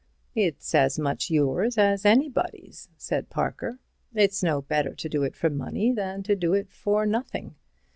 "It's as much yours as anybody's," said Parker; "it's no better to do it for money than to do it for nothing."